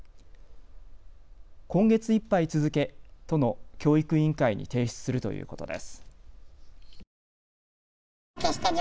今月いっぱい続け、都の教育委員会に提出するということです。